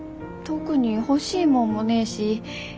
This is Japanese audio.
特に欲しいもんもねえし。